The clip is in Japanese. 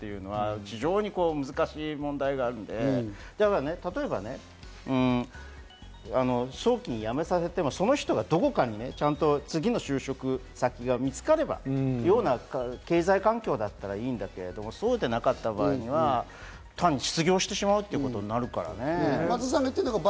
非常に難しい問題があるので、例えば早期に辞めさせても、その人がどこか次の就職先が見つかればそういった経済環境だったらいいんだけれども、そうでなかった場合、単に失業してしまう場合になってしまいますから。